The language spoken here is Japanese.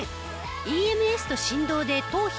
ＥＭＳと振動で頭皮を刺激。